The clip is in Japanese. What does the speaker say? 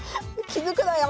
気付くなよ。